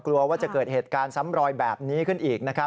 กลัวว่าจะเกิดเหตุการณ์ซ้ำรอยแบบนี้ขึ้นอีกนะครับ